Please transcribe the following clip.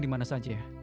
di mana saja